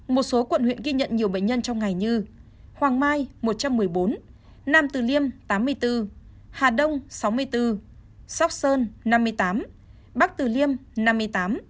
một số quận huyện ghi nhận nhiều bệnh nhân trong ngày như hoàng mai một trăm một mươi bốn nam từ liêm tám mươi bốn hà đông sáu mươi bốn sóc sơn năm mươi tám bắc từ liêm năm mươi tám